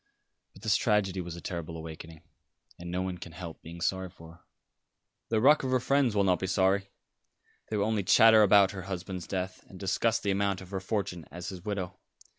But this tragedy was a terrible awakening, and no one can help being sorry for her." "The ruck of her friends will not be sorry. They will only chatter about her husband's death, and discuss the amount of her fortune as his widow.